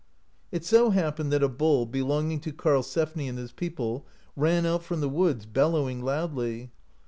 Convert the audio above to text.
It so happened that a bull, belonging to Karlsefni and his people, ran out from the woods, bellowing loudly.